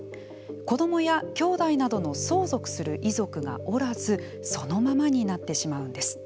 子どもやきょうだいなどの相続する遺族がおらずそのままになってしまうんです。